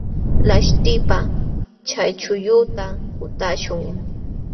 Laśhtipaq chay chuqlluta kutaśhun.